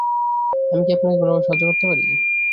আমি কি আপনাকে কোনোভাবে সাহায্য করতে পারি?